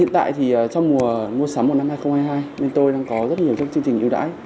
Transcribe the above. hiện tại thì trong mùa mua sắm của năm hai nghìn hai mươi hai bên tôi đang có rất nhiều các chương trình ưu đãi